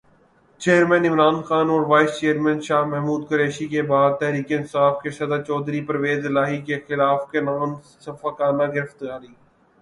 chairman Imran Khan اور vice chairman Shah Mahmood Qureshi کے بعد تحریک انصاف کے صدر چودھری پرویزالہٰی کی خلافِ قانون سفّاکانہ گرفتاری